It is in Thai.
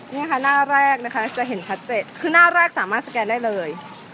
นี่ค่ะหน้าแรกนะคะจะเห็นชัดเจนคือหน้าแรกสามารถสแกนได้เลย